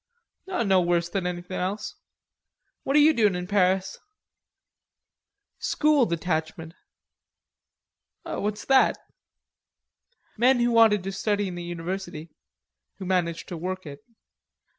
"No worse than anything else. What are you doin' in Paris?" "School detachment." "What's that?" "Men who wanted to study in the university, who managed to work it."